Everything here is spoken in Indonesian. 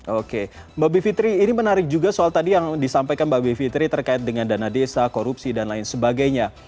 oke mbak bivitri ini menarik juga soal tadi yang disampaikan mbak bivitri terkait dengan dana desa korupsi dan lain sebagainya